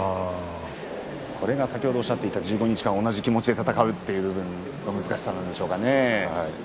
これが先ほどおっしゃっていた、１５日間、同じ気持ちで戦う難しさなんでしょうか。